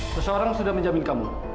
seseorang sudah menjamin kamu